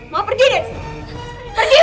mama pergi dari sini